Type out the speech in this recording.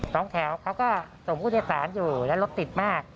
สองแถวเขาก็ส่งผู้โดยสารอยู่แล้วรถติดมาก